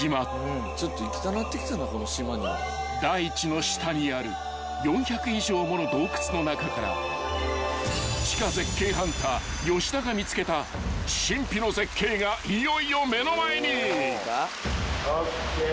［大地の下にある４００以上もの洞窟の中から地下絶景ハンター吉田が見つけた神秘の絶景がいよいよ目の前に］ＯＫ。